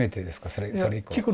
それ以降。